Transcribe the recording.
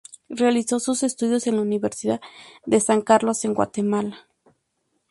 Realizó sus estudios en la Universidad de San Carlos en Guatemala.